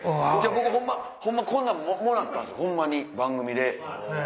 僕ホンマこんなんもらったんす番組で。